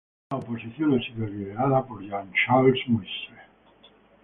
La oposición ha sido liderada por Jean-Charles Moïse.